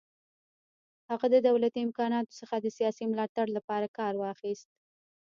هغه د دولتي امکاناتو څخه د سیاسي ملاتړ لپاره کار واخیست.